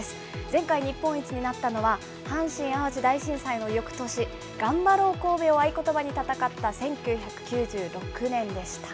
前回日本一になったのは、阪神・淡路大震災のよくとし、がんばろうコウベを合言葉に戦った１９９６年でした。